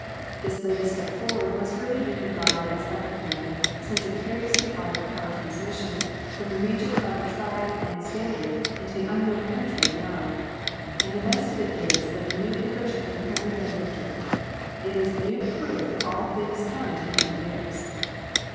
This latest step forward must really be regarded as epoch making, since it carries the art of power transmission from the region of the tried and stand ard into the unknown country beyond ; and the best of it is that the incursion has apparently been a victory. It is a new proof that all things come to him who dares.